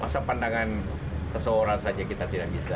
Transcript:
masa pandangan seseorang saja kita tidak bisa